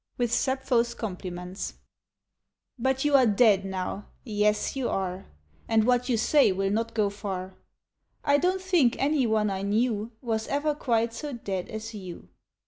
WITH SAPPHO's COMPLIMENTS But you are dead now — yes, you are — And what you say will not go far ; I don't think any one I knew Was ever quite so dead as you.